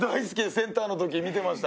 センターの時見てました。